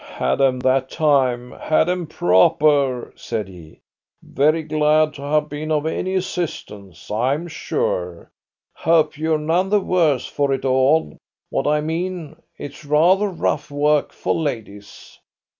"Had 'em that time had 'em proper!" said he. "Very glad to have been of any assistance, I'm sure. Hope you're none the worse for it all. What I mean, it's rather rough work for ladies."